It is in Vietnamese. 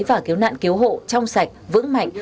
và cứu nạn cứu hộ trong sạch vững mạnh